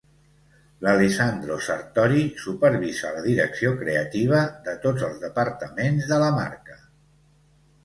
L'Alessandro Sartori supervisa la direcció creativa de tots els departaments de la marca.